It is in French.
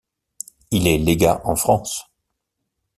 Il est légat en France.